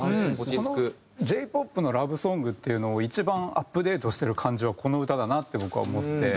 このＪ−ＰＯＰのラブソングっていうのを一番アップデートしてる感じはこの歌だなって僕は思って。